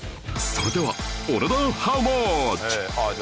それではお値段ハウマッチ？